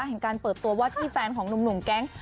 เห็นกับตัววัดที่แฟนของหนุ่มแก๊งค์